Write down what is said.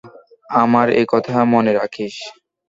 আমার এই কথা মনে রাখিস।